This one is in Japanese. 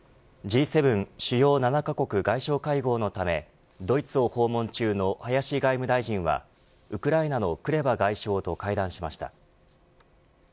Ｇ７主要７カ国外相会合のためドイツを訪問中の林外務大臣はウクライナのクレバ外相と会談しました。